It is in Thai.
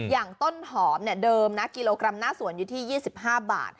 อย่างต้นหอมเดิมนะกิโลกรัมหน้าสวนอยู่ที่๒๕บาท